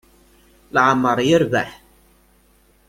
Leɛmer yerbeḥ.